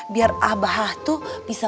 biar abah itu bisa